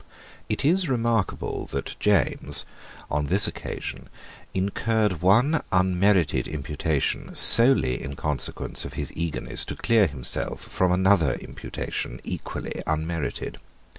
It is remarkable that James, on this occasion, incurred one unmerited imputation solely in consequence of his eagerness to clear himself from another imputation equally unmerited.